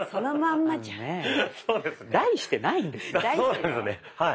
そうですねはい。